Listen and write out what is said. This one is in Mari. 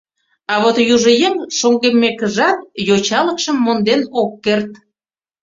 А вот южо еҥ шоҥгеммекыжат йочалыкшым монден ок керт.